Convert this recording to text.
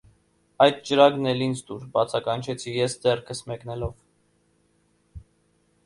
- Այդ ճրագն էլ ինձ տուր,- բացականչեցի ես, ձեռքս մեկնելով: